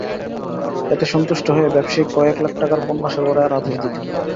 এতে সন্তুষ্ট হয়ে ব্যবসায়ী কয়েক লাখ টাকার পণ্য সরবরাহের আদেশ দিতেন।